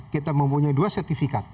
kita mempunyai dua sertifikat